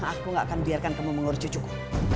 aku gak akan biarkan kamu mengurus cucuku